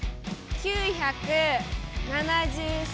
９７３！